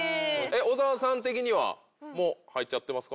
小澤さん的にはもう入っちゃってますか？